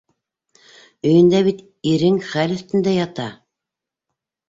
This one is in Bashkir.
Өйөндә бит ирең хәл өҫтөндә ята.